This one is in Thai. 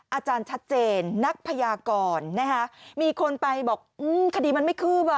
อาจารย์ชัดเจนนักพยากรมีคนไปบอกอืมคดีมันไม่ขึ้น